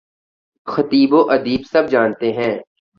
خطیب و ادیب سب جانتے ہیں۔